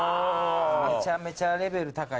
めちゃめちゃレベル高い。